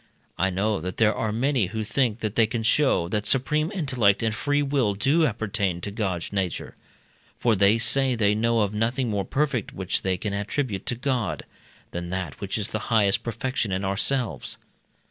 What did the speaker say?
I know that there are many who think that they can show, that supreme intellect and free will do appertain to God's nature; for they say they know of nothing more perfect, which they can attribute to God, than that which is the highest perfection in ourselves.